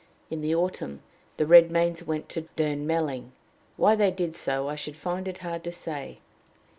In the autumn the Redmains went to Durnmelling: why they did so, I should find it hard to say.